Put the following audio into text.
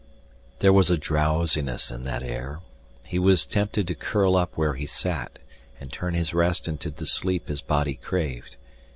There was a drowsiness in that air. He was tempted to curl up where he sat and turn his rest into the sleep his body craved.